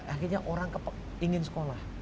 akhirnya orang ingin sekolah